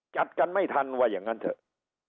จัดกันไม่ทันว่าอย่างนั้นเถอะ